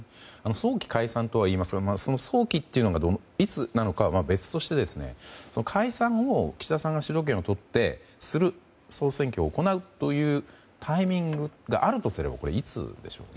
早期解散とは言いますが早期というのがいつなのかは別として解散を岸田さんが主導権を握って総選挙を行うというタイミングがあるとすれば、いつでしょうか？